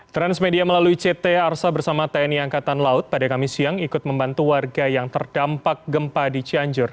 transmedia melalui ct arsa bersama tni angkatan laut pada kamis siang ikut membantu warga yang terdampak gempa di cianjur